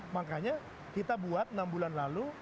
makanya kita buat enam bulan lalu